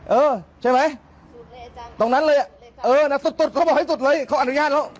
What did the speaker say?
เออใช่ไหมตรงนั้นเลยอ่ะเออน่ะสุดสุดเขาบอกให้สุดเลยเขาอนุญาตแล้ว